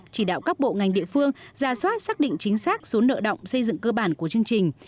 chỉ đạo các bộ ngành địa phương ra soát xác định chính xác số nợ động xây dựng cơ bản của chương trình